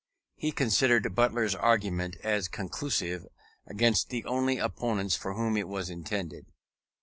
He considered Butler's argument as conclusive against the only opponents for whom it was intended.